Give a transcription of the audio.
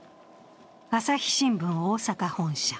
朝日新聞大阪本社。